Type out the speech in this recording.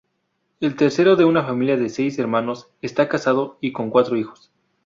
El tercero de una familia de seis hermanos, está casado y con cuatro hijos.